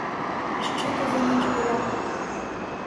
Що то за ніч була!